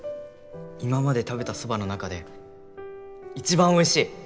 今まで食べたそばの中で一番おいしい！